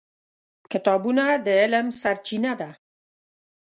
کتابونه د علم سرچینه ده.